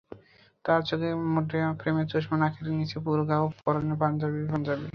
তাঁর চোখে মোটা ফ্রেমের চশমা, নাকের নিচে পুরু গোফ, পরনে পাজামা-পাঞ্জাবি।